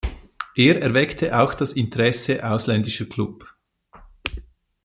Er erweckte auch das Interesse ausländischer Klub.